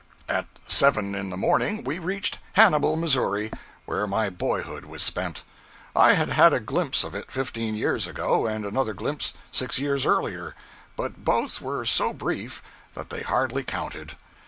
At seven in the morning we reached Hannibal, Missouri, where my boyhood was spent. I had had a glimpse of it fifteen years ago, and another glimpse six years earlier, but both were so brief that they hardly counted.